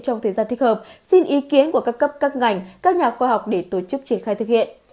trong thời gian thích hợp xin ý kiến của các cấp các ngành các nhà khoa học để tổ chức triển khai thực hiện